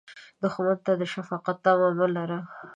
دښمن ته د شفقت تمه مه لره